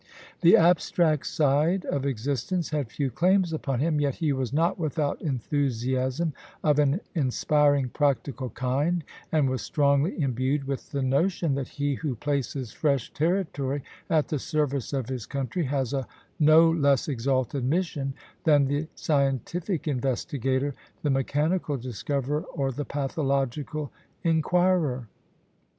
The abstract side of existence had few claims upon him, yet he was not without enthusiasm of an inspiring, practical kind, and was strongly imbued with the notion that he who places fresh territory at the service of his country has a no less exalted mission than the scientific investigator, the mechanical discoverer, or the pathological inquirer.